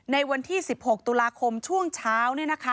ในวันที่๑๖ตุลาคมช่วงเช้า